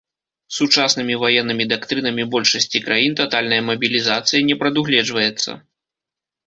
Сучаснымі ваеннымі дактрынамі большасці краін татальная мабілізацыя не прадугледжваецца.